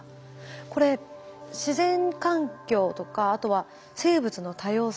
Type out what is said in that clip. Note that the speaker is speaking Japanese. これ自然環境とかあとは生物の多様性。